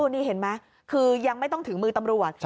นี่เห็นไหมคือยังไม่ต้องถึงมือตำรวจ